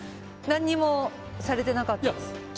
何もされてなかったです。